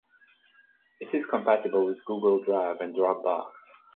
It is compatible with Google Drive and Dropbox.